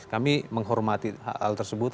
kami menghormati hal tersebut